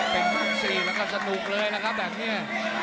เป็นรุ่น๔แล้วก็สนุกเลยนะครับแบบนี้